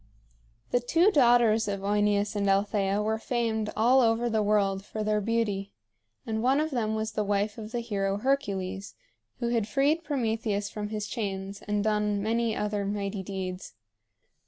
The two daughters of OEneus and Althea were famed all over the world for their beauty; and one of them was the wife of the hero Hercules, who had freed Prometheus from his chains, and done many other mighty deeds.